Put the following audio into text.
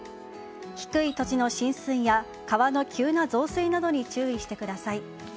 低い土地の浸水や川の急な増水などに注意してください。